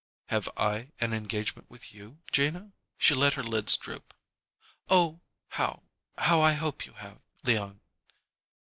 "Have I an engagement with you, Gina?" She let her lids droop. "Oh, how how I hope you have, Leon."